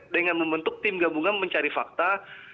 dengan membentuk tim gabungan mencari fakta